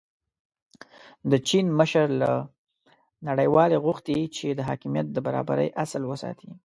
د چین مشر له نړیوالې غوښتي چې د حاکمیت د برابرۍ اصل وساتي.